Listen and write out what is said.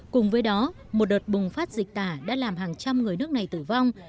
cùng với đó một đợt bùng phát dịch tả đã làm hàng trăm người nước này tử vong